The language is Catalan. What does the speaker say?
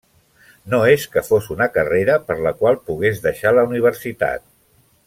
No és que fos una carrera per la qual pogués deixar la universitat.